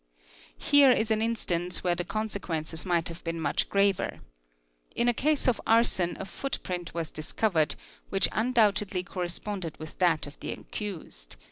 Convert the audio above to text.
Here is an instance where the consequences : have been much graver. In a case of arson a footprint was discovel which undoubtedly corresponded with that of the accused.